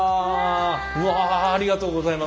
わあありがとうございます。